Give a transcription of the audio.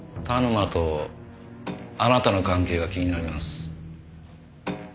田沼とあなたの関係が気になります。